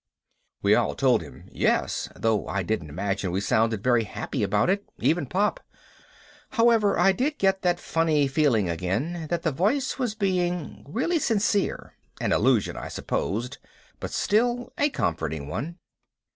We all told him "Yes," though I don't imagine we sounded very happy about it, even Pop. However I did get that funny feeling again that the voice was being really sincere an illusion, I supposed, but still a comforting one.